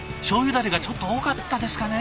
だれがちょっと多かったですかね。